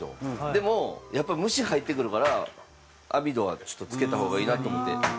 でもやっぱり虫入ってくるから網戸はちょっと付けた方がいいなと思って。